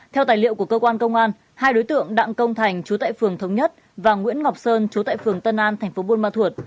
theo tài liệu của cơ quan công an hai đối tượng đặng công thành chú tại phường thống nhất và nguyễn ngọc sơn trú tại phường tân an thành phố buôn ma thuột